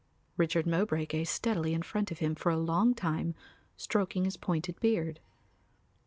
Richard Mowbray gazed steadily in front of him for a long time, stroking his pointed beard.